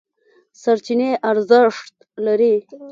سرچینې ارزښت لري.